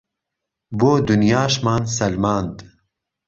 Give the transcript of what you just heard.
بۆ دونیاشمان سەلماند